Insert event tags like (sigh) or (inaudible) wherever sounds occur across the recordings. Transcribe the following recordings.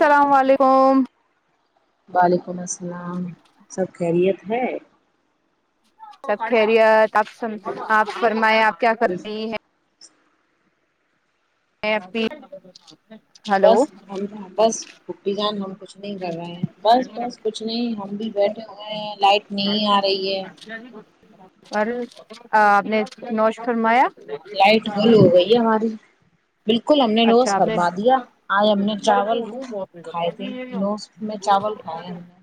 اللام علیکم بعالیکمس اللام سب خریت ہے سب خرییات آپ آپ فرمائے آپ کیا کر بس رہی ہیں اب بس ہم بس ب جان ہم کچھ نہیں کر رہے ہیں بس بس کچھ نہیں ہم بھی بیٹھے ہوئے ہیں لائٹ نہیں آ رہی ہے اور آپ نے نوش فرمایا لائٹ گول ہو گئی ہے ہماری بالکل ہم نے نوش اچھا آپ نے فرما دیا آج ہم نے چاول کھائے تھے نوس میں چاول کھائے ہم نے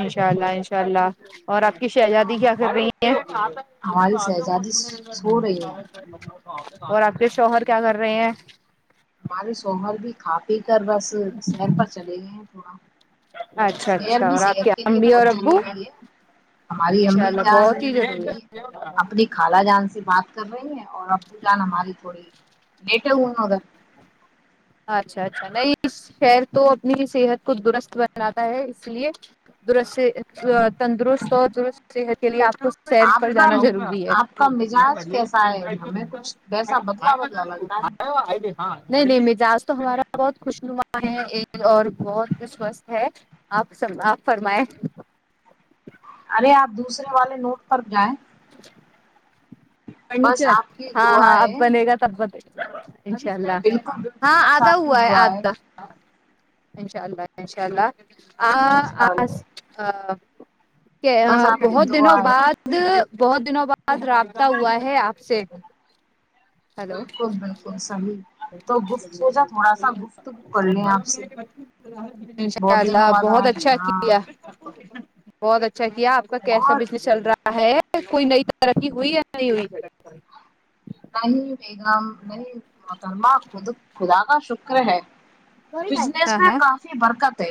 انشاء اللہ انشاء اللہ اور آپ کی شہزادی کیا نے کر رہی ہیں ہماری شہزادی سو رہی ہیں اور آپ کے شوہر کیا کر رہے ہیں ہمارے سوومر بھی کھا پی کر بس شہر پر چلے گئے ہیں تھوڑا اچھا سیر اچھا بھی اور آپ کے صحت لیے ابی اور بہت ابو ضروری ہے ہماری امی اللہ جان بہت ہی ضروری اپنی ہے اپنی خالا جان سے بات کر رہی ہیں اور ابو جان ہماری تھوڑی لیٹے ان ادھر اچھا اچھا نہیں اس شہر تو اپنی صحت کو درست بناتا ہے اس لیے درست تندرست اور درست صحت کے لیے آپ اس سیر پر آپ کا جانا ضروری ہے آپ کا مزاج کیسا ہے ہمیں کچھ ویسا بدلا بدلا لگ رہا ہے نہیں آج تو ہمارا بہت خوش نما ہے اور بہتوستھ ہے آپ آپ فرمائ یہ آپ دوسرے والے نوٹ پر جائیں بس فرنیچر آپ کی ہاں دعا ہاں ہے اببن گا تبب ج (unintelligible) انشاء اللہ بالکل بالکل ہاں بس آدھا آپ کی ہوا ہے دعا آدھا انشاء اللہ انشاء اللہ آ آ انشاء اللہ (unintelligible) کہ بس آپ کی بہت دعا دنوں ہے بعد بہت دنوں بعد راب ہوا ہے آپ سے ہلو بالکل بالکل صحیح تو گفت سوچا تھوڑا سا گفتگو کر لیں آپ سے ان شاء بہت دنوں اللہ بعد بہت آج اچھا ہاں کیا بہت اچھا اچھا کیا آپ کا کیسا اور بزس چل رہا ہے ہے کوئی نئی ترقی ہوئی ہے ئی نہیں بیگم نہیں مترم کود کوا شکر ہے بزنس ہاں میں ہاں کافی برکت ہے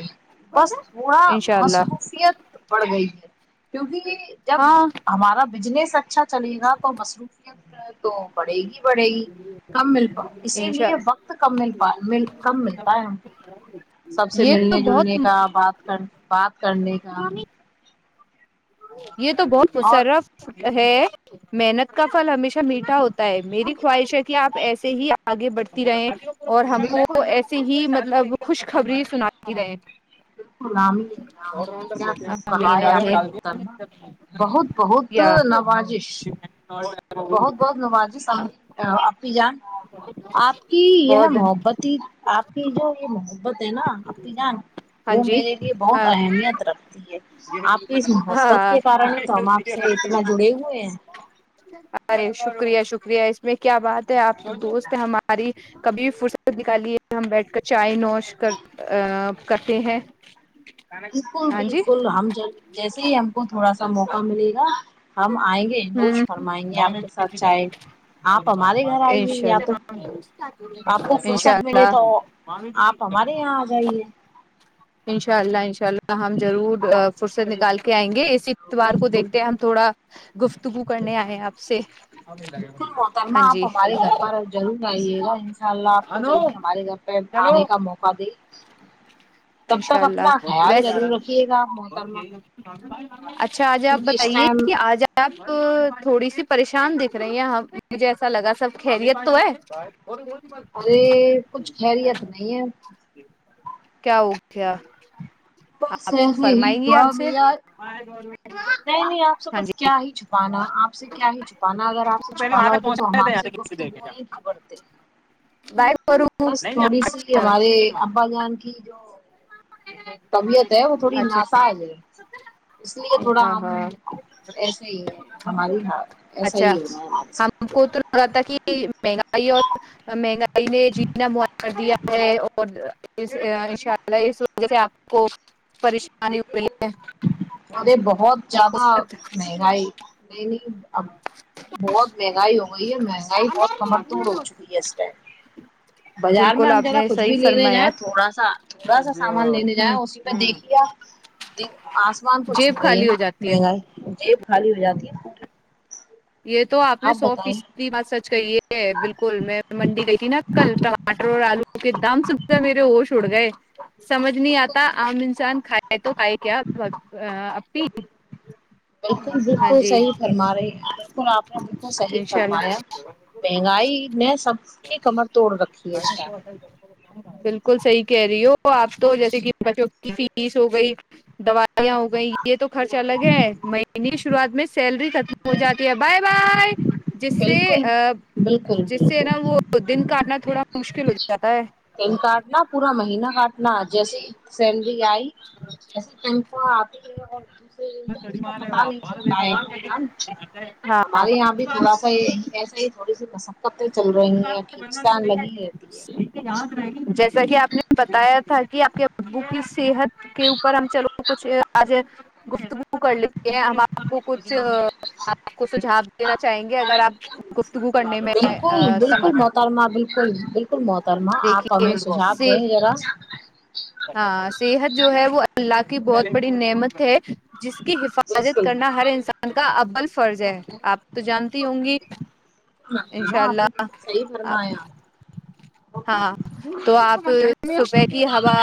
بس تھوڑا انشاء اللہ مصروفیت بڑھ گئی ہے کیونکہ جب ہاں ہمارا بزنس اچھا اچھا چلے گا تو مصروفیت تو پڑے گی پڑے گی کم ملا اسی انشاء لیے وقت کم مل کم ملتا ہے ان کو سب سے یہ تو ملنے بہت جلنے کا بات کر پپ (unintelligible) کرنے کا ا (unintelligible) یہ تو اور بہتشرف ہے محنت کا پھل ہمیشہ میٹھا ہوتا ہے میری خواہش ہے کہ آپ ایسے ہی آگے بڑھتی رہے اور ہم کو بالکل ایسے بالکل ہی مطلب خوش خبری سناتی رہے بالکلامام کیا ت کہا امین ہے آ نے امین م بہت بہت یا نوازش بہت بہت نوازش ہم اپ جان آپ کی یہ بہت محبت ہی آپ کی جو یہ محت بت نا آپنی جان ہاں وہ جی میرے لیے بہت ہاں اہمیت رکھتی ہے آپ کی اس محبت ہاں کے کارن ہی تو ہم آپ سے اتنا جڑے ہوئے ہیں ارے ش شکریہ شکریہ اس میں کیا بات ہے آپ دوست ہماری کبھی فرصت نکالی ہے ہم بیٹھ کر چائے نوش کر کرتے ہیں بالکل ہاں جی بالکل ہم جیسے ہی ہم کو تھوڑا سا موقع ملے گا ہم آئیں گے ہ نوش فرمائیں گے اناء آپ کے ساتھ چائے آپ اللہ ہمارے گھر ان آئیے شاء یا اللہ تو آپ کو فرصت ملے تو آپ ہمارے یہاں آ جائیے انشاء اللہ اناءلہ ہم ضرور فھر سے نکال کے آئیں گے اسی اتوار کو بالکل دیکھتے ہیں ہم تھوڑا گفتگو کرنے آئے آپ سے بالکل معحتمہ ہاں آپ جی ہمارے گھر پر ضرور آئیے گا انشاء اللہ آپ کو جلدی ہمارے گھر پہ آنے کا موقع دے تب انشاء تک اپنا اللہ خیال ویسے ضرور رکھیے گا آپ محترمہ اچھا آج آپ کیونکہ اس بتائیے ٹائم کہ آج آپ تھوڑی سی پریشان دکھ رہی ہیںاں مجھے ایسا لگا سب خیریت تو ہے ارے کچھ خیریت نہیں ہے کیا ہو کیا بس آپ ایسے ہی فرمائیں گی تھوڑا آپ سے ملا نہیں نہیں آپ سے ہاں کچھ جی کیا ہی چھپانا آپ سے کیا ہی چھپانا اگر آپ سے چھپانا ہوتا تو ہم آپ سے گفتگوئیں ہی بڑھتے ہیں بائے کروں بس تھوڑی سی ہماری ابا جانک جو طبیعت ہے وہ تھوڑی اچھا ناساج ہے اس لیے تھوڑا ہم ہاں ایسے ہی ہیں ہماری ایسا اچھا ہی ہونا ہے ہمارے ساتھ ہم کو تھڑا تو لگا تھا کہ مہنگائی اور مہنگائی نے جینا م کر دیا ہے اور اناء م یہ سوچ کہ آپ کو پریشانی ہو رہی ارے بہت زیادہ ہے مہنگائی نہیں نہیں ا بہت مہنگائی ہو گئی ہے مہنگائی بہت کمر توڑ ہو چکی ہے اس م بازار میں بالکل ہم آپ جا نے کچھ بھی صحیح لینے جائیں فرمایا تھوڑا سا تھوڑا سا سامان لینے جائ ہ اسی پہ دیکھیا د آسمان کو چھو جیب رہی ہے خالی ہو جاتی مہنگائی جیب خالی ہو جاتی ہے یہ تو آپ نے سو فیصد بات سچ کہی ہے بالکل میں منڈی گئی تھی نا کل ٹماٹر اور آلو کے دام سے میرے وہش اڑ گئے سمجھ نہیں آتا بتائیں عام انسان کھ میں تو پائی کیا اپی بالکل ہاں بالکل جی صحیح فرما رہی بالکل آپ نے بالکل صحیح انشاء اللہ فرمایا مہنگائی نے سب کی کمر توڑ رکھی ہے اسٹ تو آپ تو جیسے کہ بچوں کی فیس ہو گئی دو ہو گئی یہ تو خرچ الگ ہے میں اننی شروعات میں سیلری ختم ہو جاتی ہے بائے بائے جس سے بالکل ا بالکل جس سے نا وہ دن کاٹنا تھوڑا مشکل ہو جاتا ہے تین کاارڈنا پورا مہینہ ٹنا جیسی س آئی ایسی تنکھا آپ جٹھ کا پتا نہیں سکتا ہے ہاں ہمارے یہاں بھی تھوڑا سا یہ ایسا ہی تھوڑی سی م پتے چل رہی ہیں کھینچتاان لگی ہے یا ج جیسا کہ آپ نے بتایا تھا کہ آپ کے ابو کی صحت کے اوپر ہم چلو کچھ آج گفتگو کر لیتے ہیں ہم آپ کو کچھ آپ کو سجھاؤ دینا چاہیں گے اگر آپ گفتگو کرنے میں بالکل موارم بالکل بالکل محترمہ آپ دیکھیے ہمیں سجھاؤ دیں ذرا ہاں صحت جو ہے وہ اللہ کی بہت بڑی نعمت ہے جس کی حفاظت بالکل کرنا ہر انسان کا ال فرض ہے آپ تو جانتی ہوں گی انشاء ہاں، آپ نے اللہ بالکل صحیح آپ فرمایا ہاں تو آپ صبح کی ہوا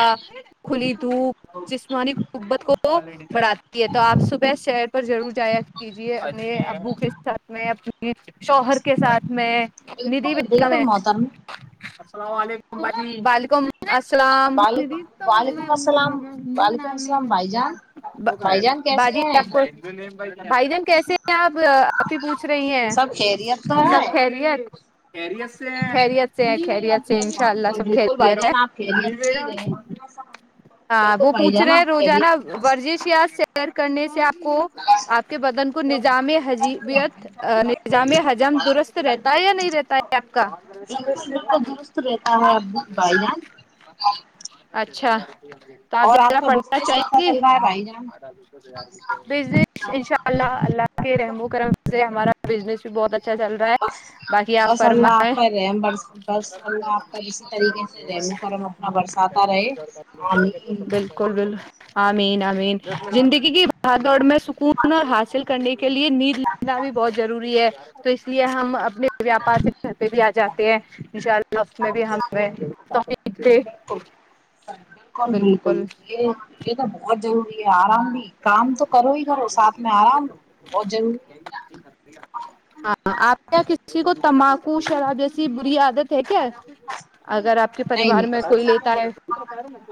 کھلی دھوپ جسمانی قبت کو بڑاتی ہے تو آپ صبح ش ضرور جایا کیجیےہ ا بک کے ساتھ میں اپنی کے ساتھ میں ندھی بالکل بھی گل بالکل ہیں محترم اللاملم بالک اللام وعلیکم وعلیکم السلام وعلیکم السلام بھائی جان بھائی جان کیسے بجی ہیں آپ کو بھائی جان کیسے کیا آپ اپ ہی پوچھ رہی ہیں سب خیریت تو ہے سب خیریت سے خیریت سے خریت سے ان بالکل شاء اللہ سب بالکل بھائی خریت جان آپ خیریت سے ہے ہی رہے ہیں۔ ہاں بالکل وہ بھائی پوچھ جان رہے آپ ہیں خیریت روزانہ سے ورزش یات سے شئر کرنے سے کو آپ کے بدن کو نظام حجیبیت نظام حی ج درست رہتا بالکل ہے یا نہیں رہتا ہے آپ کا بالکل درست رہتا ہے بھائی جان اچا اچھ تو آپ اور جا کا پڑھنا بزنس چاہیں کیسا گی چل رہا ہے بھائی جان ب ان شاء اللہ اللہ کے رحم و کرم سے ہمارا بزنس بھی بہت اچا اچھا چل رہا ہے بس باقی آپ بس اللہ آپ فرمائیں کا رحم برس بس اللہ آپ کا اسی طریقے سے رحم و کرم اپنا برساتا رہے آمین بالکل بالکل امین آمین زندگی کی بہادڑ میں سکون حاصل کرنے کے لیے نیند لینا بھی بہت ضروری ہے تو اس لیے ہم اپنے ویاپار کے گھر پہ بھی آ جاتے ہیں ف میں بھی ہمیں تقید تھ بالکل بالکل بالکل یہ یہ تو بہت جر آرام بھی کام تو کرو ہی کرو ساتھ میں آرام بہت ضروری ہاں آپ کیا کسی کو تمباکو شراب جیسی بری عادت ہے کیا اگر آپ کے نہیں پریوار میں نہیں کوئی لیتا ہے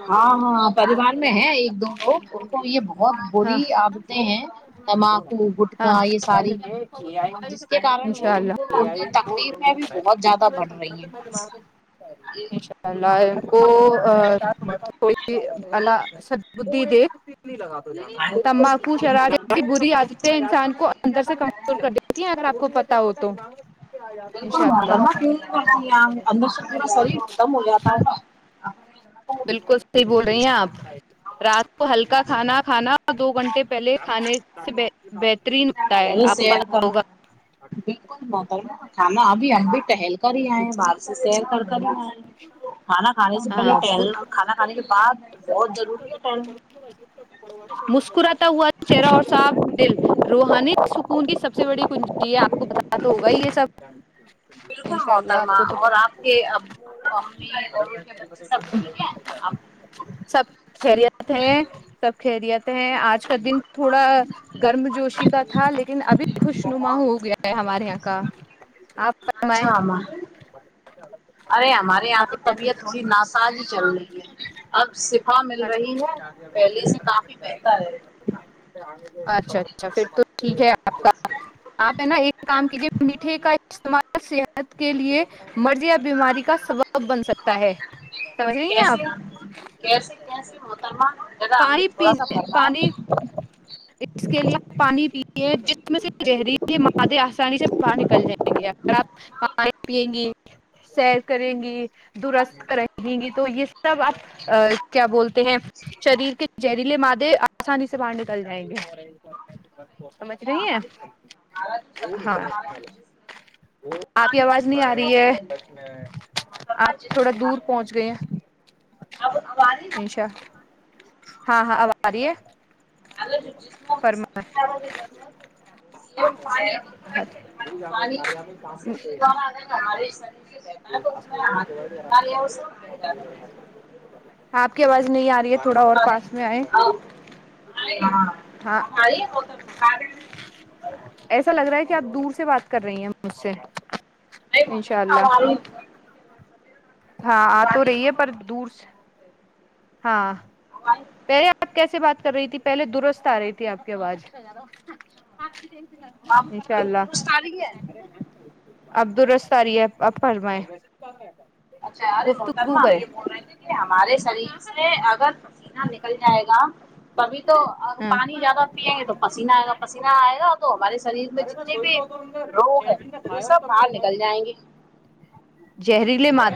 ہاں ہاں پریوار میں ہے ایک دو لوگ ان کو یہ بہت ہاں بری عادتیں ہیں تمباکو گٹکا ہاں یہ ساری جس کے کارن وہ انشاء اللہ ان کی تکلیف میں بھی بہت زیادہ بڑھ رہی ہیں انشاء اللہ کو تھی دھ س لگا تمباکو شرار ایسی بری عادتیں انسان کو اندر سے کمزور کر دیتی ہیں اگر آپ کو پتا ہو تو بک انشاء اللہ متمتی اندر س پ سری ختم ہو جاتا ہے بالکل صحیح بول رہی ہیں آپ رات ہلکا کھانا کھانا دو گھنٹے پہلے کھانے ب پ ش بکل ابھی آ بھی ٹہل کر ہی آئے باہر سے سیر کر کر ہی آئے کھانا کھانے سے پہلے ہاں ٹہل کھانا کھانے کے بعد بہت ضروری ہے ٹہلنا مسکراتا ہوا چہرہ اور صاب دل روحانی سکون کی سب سے بڑی کن جی آپ کو بتا تو ہوا ہی یہ سب ہ (inaudible) بالکل محترما اور آپ کے ابو امی اور ان کے بچے سب ٹھیک ہے آپ سب خریت ہیں سب خریت ہیں آج کا دن تھوڑا گرم جوشی کا تھا لیکن ابھی خوش نما بہت ہو گیا ہے ہمارے یہاں کا آپ اچھا فرمائیں ہم ارے ہمارے یہاں آپ تو کے طبیعت یہاں ناسااز ہی چل رہی ہے اب شفا مل رہی ہے پہلے سے کافی بہتر ہے اچھا اچھا پھر تو ٹھیک ہے آپ کا آپ ہے نا ایک کام کیجے میٹھے کا استعمال صحت کے لیے مرض یا بیماری کا سبب بن سکتا ہے رہ ہیں آپ کیسے کیسے کیسے محترمہ ذرا ہمیں پانی تھوڑا سا پینے فرمائیں پانی اس کے لیے پانی پی یہ جس میں سے زہریل مادے آسانی سے باہر نکل جائیں گے اگر آپ پانی پیئیں گی سیر کریں گی درست کریں گ تو یہ سب آ کیا بولتے ہیں شریر کے زہریلے مادے آسانی سے باہر نکل جائیں گے سمجھ رہی ہیں ہمارے ہمارا جو شریر ہاں ہے ہمارا جو جسم ہے اس میں آپ کی پانی آواز سب نہیں سے آ رہی زیادہ ہے ویلیو محترمہ آپ تھوڑا جسم دور ہمارا جو پہنچ گئی جسم ہیں ہے اب ہماری انشاء محترمہ ہاں ہاں اب آ رہی ہے فرم ت پانی پنے کے ا ہمارے شریر سے رہتا ہے تو ہاتھ (inaudible) اپ کی اواز نہیں آ رہی ہے تھوڑا اور پاس میں آئے ہاں ہماری محترمہ ایسا لگ رہا ہے کہ آپ دور سے سے بات کر رہی ہیں مجھ سے انشاء اللہ (unintelligible) ہاں آ تو رہی ہے ہماری پر دور سے ہاں پہے آپ کیسے بات رہی تھی پہلے درست آ رہی تھی آپ کی آواز انشاء اللہ درست آ رہی ہے عبد الرس سری ہے اپر میں اچھا ارے نوترا ہم یہ بول رہے تھے کہ ہمارے شریر سے اگر نہ نکل جائے (unintelligible) ابھی تو ہاں پانی زیادہ پیئیں گے تو پسینہ آئے گا پسیینہ آئے گا تو ہمارے شریر میں جتنے بھی روگ ہے وہ سب باہر نکل جائیں گے د (inaudible)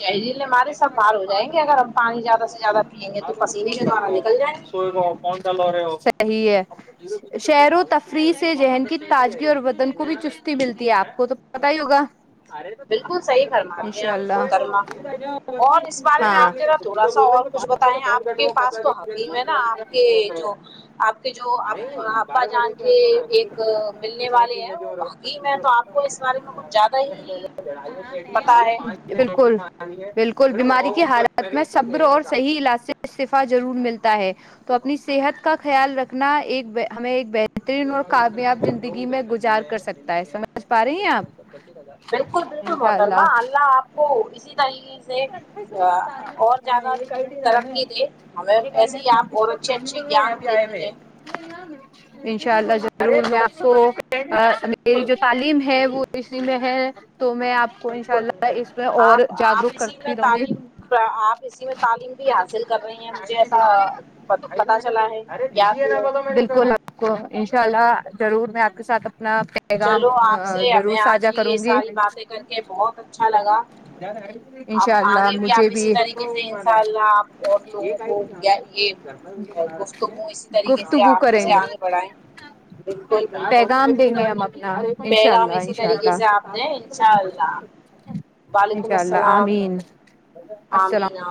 شہریل نے مارے سب باہ ہو جائیں گے اگر ہم پانی زیادہ سے زیادہ پئیں گے تو پسینے کے دوارا نکل جائیں گے ا صحیح ہے شہر و تفریح سے ذہن کی تازگی اور وطن کو بھی چستی ملتی ہے آپ کو تو پت ہی ہوگا بالکل صحیح فرماری ہیں انشاء محترمہ اللہ اور اس بارے میں ہاں آپ ذرا تھوڑا سا اور کچھ بتائیں آپ کے پاس تو حقیم ہے نا آپ کے جو آپ کے جو ابا جان کے ایک ملنے والے ہیں وہ حکیم ہے تو آپ کو اس بارے میں کچھ زیادہ ہی بالکل بالکل بیماری کی حالت میں صبر اور صحیح علاج سے استعفیہ ضرور ملتا ہے تو اپنی صحت کا خیال رکھنا ایک ہمیں ایک بہترین اور کامیاب زندگی میں گزار کر سکتا ہے سمجھ پا رہی ہیں آپ بالکل بالکل محترما اللہ آپ کو اسی طریقے سے اور زیادہ ترقی دے ہمیں ایسے ہی آپ اور اچھے اچھے گان دیتی رہ می جو تعلیم ہے وہی میں ہے تو میں آپ کو انشاء اللہ اس میں اور جاگروک کر تعم آپ اسی میں تعلیم بھی حاصل کر رہی ہیں مجھے ایسا پتا چلا ہے کیا تو ہے بالکل آپ کو انشاء اللہ ضرور میں آپ کے سات اپنا پیغام ضرور ساھا کروں گی اب انشاء اللہ آگے آپ مجھے اسی بھی طریقے سے انشاء اللہ آپ اور لوگوں کو یہ گفتگو اسی طریقے سے گفتگو آپ کریں سے گے آگے بڑھائیں بالکل بالکل پیغام دیں گے ہم اپنا انشاء پیغام اللہ اسی انشاء طریقے سے آپ دیں انشاء اللہ اللہ وعلیکم انشاء اللہ السلام آمین آ السلام مین آم